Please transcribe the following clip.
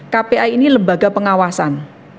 kpi ini lembaga pengawasan